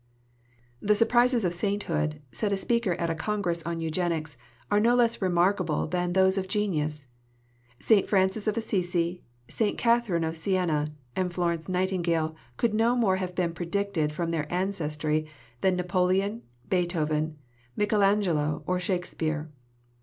"The surprises of sainthood," said a speaker at a Congress on Eugenics, "are no less remarkable than those of genius. St. Francis of Assisi, St. Catherine of Siena, and Florence Nightingale could no more have been predicted from their ancestry than Napoleon, Beethoven, Michael Angelo, or Shakespeare."